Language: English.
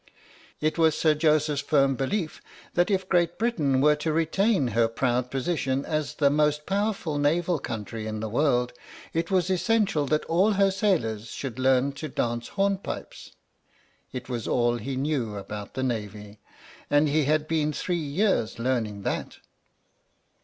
It was Sir Joseph's firm belief that if Great Britain were to retain her proud position as the most power ful naval country in the world, it was essential that all her sailors should learn to dance hornpipes. It was all he knew about the Navy, and he had been three years learning that.